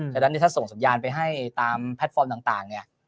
ฉะนั้นถ้าส่งสัญญาณไปให้ตามแพลตฟอร์มต่างเนี่ย